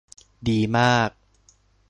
ดีมาก !